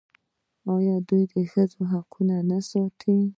آیا دوی د ښځو حقوق نه ساتي؟